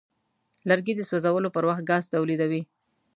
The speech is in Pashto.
لرګی د سوځولو پر وخت ګاز تولیدوي.